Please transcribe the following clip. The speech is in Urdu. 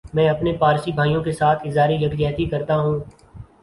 میں اپنے پارسی بھائیوں کیساتھ اظہار یک جہتی کرتا ھوں